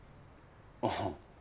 ああ。